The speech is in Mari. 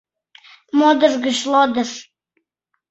МОДЫШ ГЫЧ ЛОДЫШ